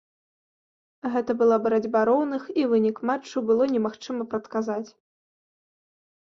Гэта была барацьба роўных і вынік матчу было немагчыма прадказаць.